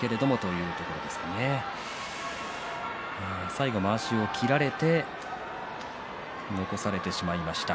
最後、まわしを切られて残されてしまいました。